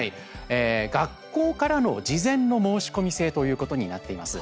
学校からの事前の申し込み制ということになっています。